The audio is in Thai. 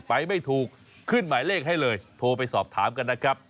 ไม่ถูกขึ้นหมายเลขให้เลยโทรไปสอบถามกันนะครับ